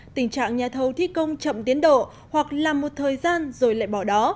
tình trạng nhà thầu thi công chậm tiến độ hoặc làm một thời gian rồi lại bỏ đó